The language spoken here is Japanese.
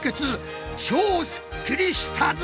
超スッキリしたぞ！